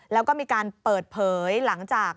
แล้วก็มีการเปิดเผยหลังจาก